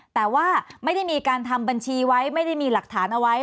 แต่ว่าไม่ได้มีการทำบัญชีไว้ไม่ได้มีหลักฐานเอาไว้